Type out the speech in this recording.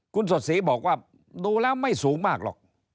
คุณสดศรีบอกว่าดูแล้วไม่สูงมากหรอก